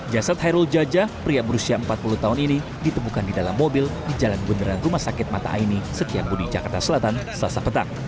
jasad hairul jaja pria berusia empat puluh tahun ini ditemukan di dalam mobil di jalan beneran rumah sakit mata aini setiabudi jakarta selatan selasa petang